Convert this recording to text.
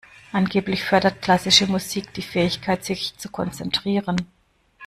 Angeblich fördert klassische Musik die Fähigkeit, sich zu konzentrieren.